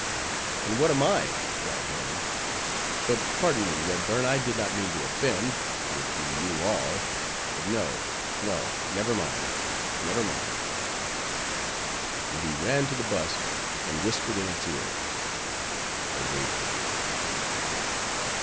"And what am I?" cried Harry; "but pardon me, Redburn, I did not mean to offend; if you knew all—but no, no!—never mind, never mind!" And he ran to the bust, and whispered in its ear. A waiter came.